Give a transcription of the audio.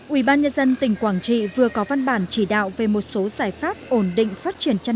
ủy ban nhân dân tỉnh quảng trị vừa có văn bản chỉ đạo về một số giải pháp ổn định phát triển chăn